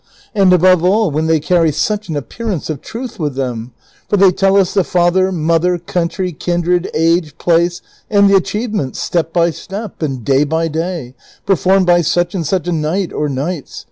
And above all when they carry such an appearance of truth with them ; for they tell us the father, mother, country, kindred, age, place, and the achieve ments, step by step, and day by day, performed by such and such a knight or knights